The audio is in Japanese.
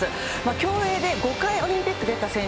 競泳で５回オリンピックに出た選手